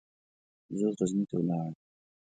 زه غزني ته ولاړم.